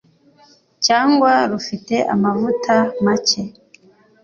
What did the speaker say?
Cyangwa rufite amavuta make,